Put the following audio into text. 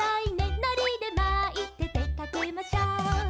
「のりでまいてでかけましょう」